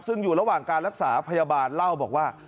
ซึ่งอยู่ระหว่างการรักษาพยาบาลเล่าบอกว่า